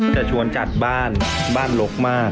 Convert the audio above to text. จะชวนจัดบ้านบ้านลกมาก